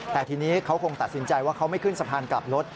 แต่ทีนี้เขาคงตัดสินใจว่าเขาไม่ขึ้นสะพานกลับรถ